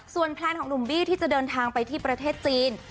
แพลนของหนุ่มบี้ที่จะเดินทางไปที่ประเทศจีน